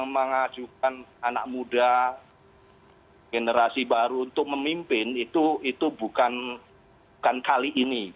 mengajukan anak muda generasi baru untuk memimpin itu bukan kali ini